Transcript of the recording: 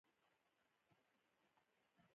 د انسان په وجود حمله کوي.